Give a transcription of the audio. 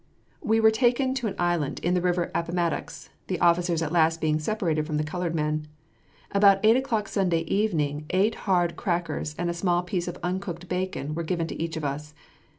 We were taken to an island in the river Appomattox, the officers at last being separated from the colored men. About eight o'clock Sunday evening eight hard crackers and a small piece of uncooked bacon were given to each of us.